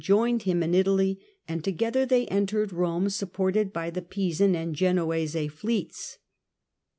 joined him in Italy, and together they entered Eome, supported by the Pisan and Genoese fleets.